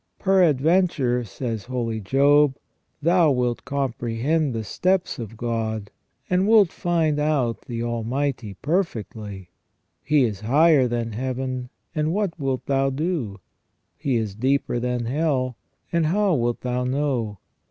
" Peradventure," says holy Job, " thou wilt comprehend the steps of God, and wilt find out the Almighty perfectly. He is higher than heaven, and what wilt thou do? He is deeper than hell, and how wilt thou know?